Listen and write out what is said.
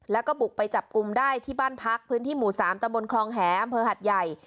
แล้วก็บุกไปจับกลุ่มได้ที่บ้านพักพื้นที่หมู่๓ตะบนคลองแหอำเภอหัดใหญ่